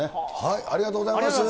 ありがとうございます。